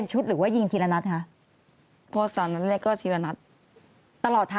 นึกไม่ออก